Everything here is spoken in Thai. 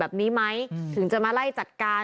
แบบนี้ไหมถึงจะมาไล่จัดการ